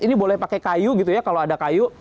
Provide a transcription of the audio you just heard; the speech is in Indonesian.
ini boleh pakai kayu gitu ya kalau ada kayu